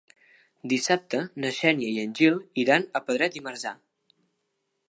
Dissabte na Xènia i en Gil iran a Pedret i Marzà.